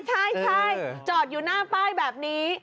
ใช่จอดอยู่หน้าป้ายแบบนี้